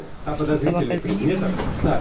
gusaba akazi n’ibindi